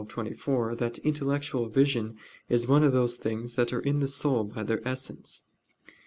xii, 24) that intellectual vision is of those things that are in the soul by their essence.